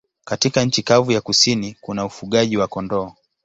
Katika nchi kavu ya kusini kuna ufugaji wa kondoo.